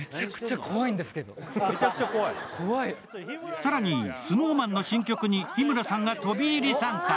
更に、ＳｎｏｗＭａｎの新曲に日村さんが飛び入り参加。